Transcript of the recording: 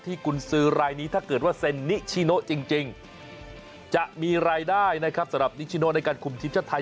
กุญสือรายนี้ถ้าเกิดว่าเซ็นนิชิโนจริงจะมีรายได้นะครับสำหรับนิชิโนในการคุมทีมชาติไทย